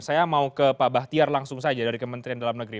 saya mau ke pak bahtiar langsung saja dari kementerian dalam negeri